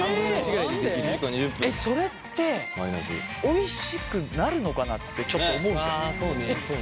それっておいしくなるのかなってちょっと思うじゃない。